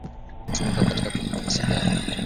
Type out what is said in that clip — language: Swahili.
Na hutumika kwa kuvutwa kama sigara